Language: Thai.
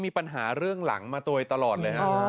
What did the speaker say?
มีปัญหาเรื่องหลังมาโดยตลอดเลยฮะ